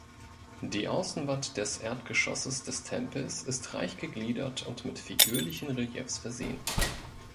Die Außenwand des Erdgeschosses des Tempels ist reich gegliedert und mit figürlichen Reliefs versehen.